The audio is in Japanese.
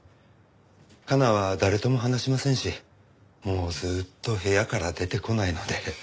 加奈は誰とも話しませんしもうずっと部屋から出てこないので。